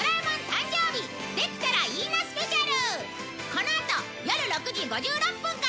このあとよる６時５６分から